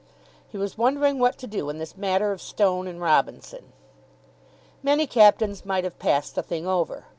He was wondering what to do in this matter of Stone and Robinson. Many captains might have passed the thing over.